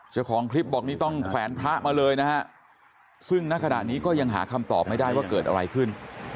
เจ้าของคลิปบอกนี่ต้องแขวนพระมาเลยนะฮะซึ่งณขณะนี้ก็ยังหาคำตอบไม่ได้ว่าเกิดอะไรขึ้น